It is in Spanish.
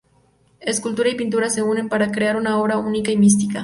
Escultura y pintura se unen para crear una obra única y mística.